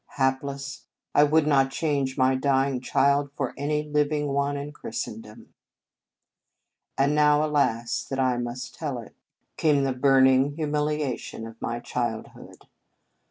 Hapless ! I would not change my dying child for any living one in Christendom. And now, alas! that I must tell it, In Our Convent Days came the burning humiliation of my childhood.